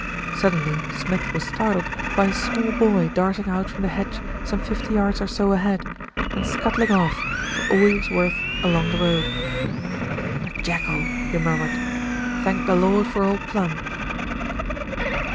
Suddenly Smith was startled by a small boy darting out from the hedge some fifty yards or so ahead, and scuttling off for all he was worth along the road. LITTLE BILSTEAD ACHES WITH DRAMA 293 "A jackal!" he murmured. "Thank the Lord for Old Plum!"